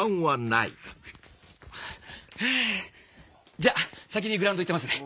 じゃあ先にグラウンド行ってますね！